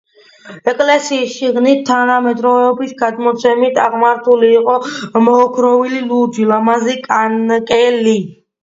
ეკლესიის შიგნით, თანამედროვეების გადმოცემით, აღმართული იყო მოოქროვილი ლურჯი, ლამაზი კანკელი.